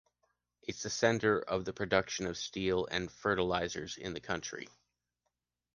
It’s the center for the production of steel and fertilizers in the country.